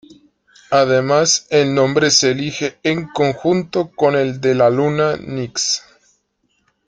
Además el nombre se elige en conjunto con el de la luna Nix.